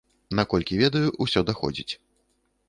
Наколькі ведаю, усё даходзіць.